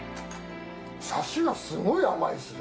サシがすごい甘いっすね。